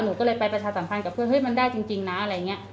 หนูก็เลยไปประชาสัมภัณฑ์กับเพื่อนโอ้ยมันได้จริงจริงนะอาหารเงี้ย